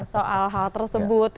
soal hal tersebut